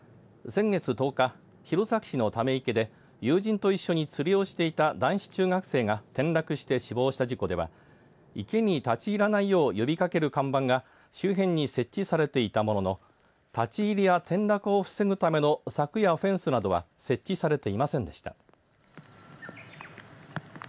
先月１０日、弘前市のため池で友人と一緒に釣りをしていた男子中学生が転落して死亡した事故では池に立ち入らないよう呼びかける看板が周辺に設置されていたものの立ち入りや転落を防ぐための柵やフェンスなどは設置されていませんでした。